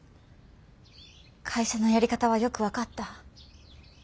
会社のやり方はよく分かった。